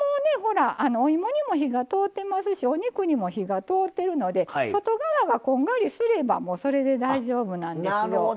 お芋にも火が通ってますしお肉にも火が通ってるので外側がこんがりすればそれで大丈夫なんですよ。